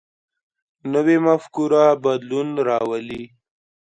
نوی مفکوره بدلون راولي